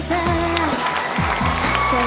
เพื่อรานงาน